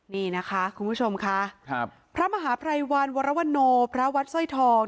นี่นะคะคุณผู้ชมค่ะพระมหาภรรยวรรณวรวรณวพระวัตย์สร้อยทอง